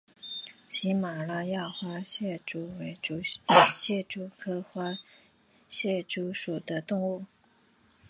喜马拉雅花蟹蛛为蟹蛛科花蟹蛛属的动物。